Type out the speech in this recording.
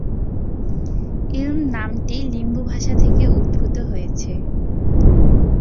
ইলম নামটি লিম্বু ভাষা থেকে উদ্ভূত হয়েছে।